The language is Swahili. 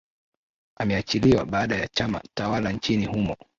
ameachiliwa baada ya chama tawala nchini humo